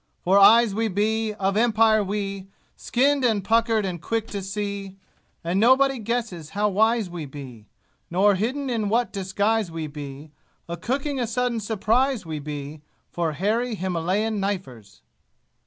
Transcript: For eyes we be, of Empire, we, Skinned and puckered and quick to see, And nobody guesses how wise we be, Nor hidden in what disguise we be, A cooking a sudden surprise we be For hairy Himahlyan knifers!